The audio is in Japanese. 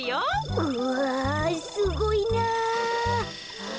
うわすごいな！